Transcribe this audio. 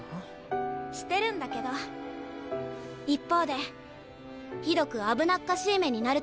してるんだけど一方でひどく危なっかしい目になる時がある。